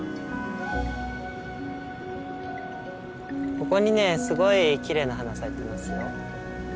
ここにねすごいきれいな花咲いてますよ。